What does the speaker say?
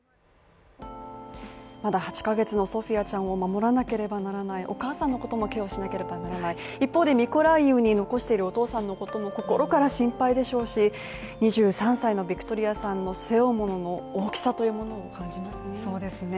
まだ８カ月のソフィアちゃんを守らなければならない、お母さんのこともケアしなければならない、一方で、ミコライウに残しているお父さんのことも心から心配でしょうし、２３歳のビクトリアさんの背負うものの大きさというものを感じますね。